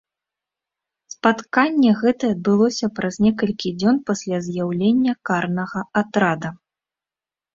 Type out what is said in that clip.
Спатканне гэтае адбылося праз некалькі дзён пасля з'яўлення карнага атрада.